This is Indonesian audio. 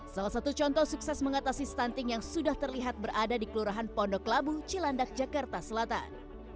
salah satu contoh sukses mengatasi stunting yang sudah terlihat berada di kelurahan pondok labu cilandak jakarta selatan